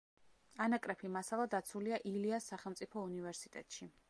ანაკრეფი მასალა დაცულია ილიას სახელმწიფო უნივერსიტეტში.